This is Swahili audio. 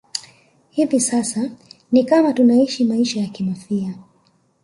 Hivi sasa ni kama tunaishi maisha ya kimafia